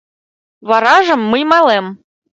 Варажым мый малем.